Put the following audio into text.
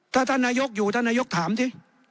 ถ้าท่านนายกอยู่ท่านนายกถามสิ